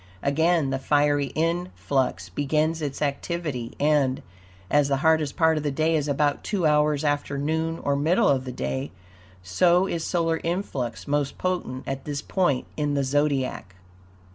Again the fiery influx begins its activity, and, as the hottest part of the day is about two hours after noon, or middle of the day, so is solar influx most potent at this point in the Zodiac.